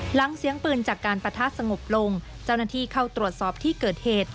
หลังเสียงปืนจากการปะทะสงบลงเจ้าหน้าที่เข้าตรวจสอบที่เกิดเหตุ